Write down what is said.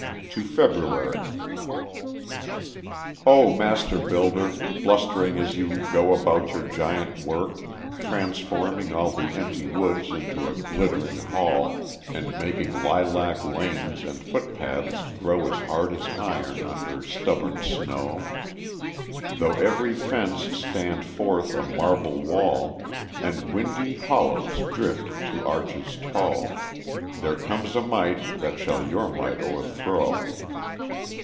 To February O master builder, blustering as you go About your giant work, transforming all The empty woods into a glittering hall, And making lilac lanes and footpaths grow As hard as iron under stubborn snow, Though every fence stand forth a marble wall, And windy hollows drift to arches tall, There comes a might that shall your might o'erthrow.